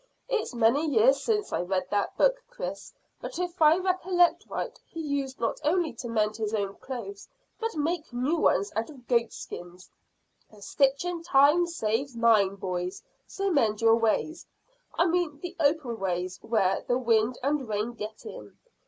It's many years since I read that book, Chris, but if I recollect right he used not only to mend his own clothes, but make new ones out of goat skins. `A stitch in time saves nine,' boys, so mend your ways I mean the open ways where the wind and rain get in.